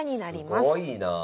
すごいなあ。